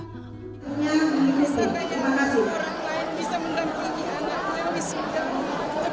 bisa tanya orang lain bisa menggantikan anaknya wisuda